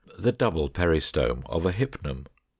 The double peristome of a Hypnum.